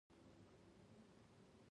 هګۍ د شیدو سره ګډېږي.